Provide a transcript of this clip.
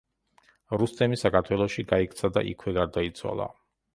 რუსტემი საქართველოში გაიქცა და იქვე გარდაიცვალა.